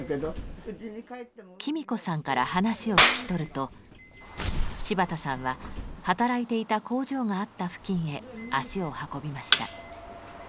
喜美子さんから話を聞き取ると柴田さんは働いていた工場があった付近へ足を運びました。